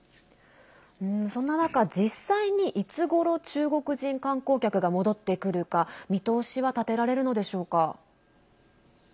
そんな中、実際にいつごろ中国人観光客が戻ってくるか見通しは立てられるのでしょうか。